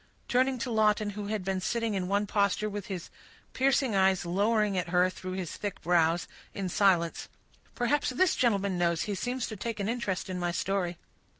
Turning to Lawton, who had been sitting in one posture, with his piercing eyes lowering at her through his thick brows, in silence, "Perhaps this gentleman knows—he seems to take an interest in my story."